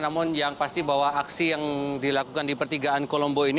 namun yang pasti bahwa aksi yang dilakukan di pertigaan kolombo ini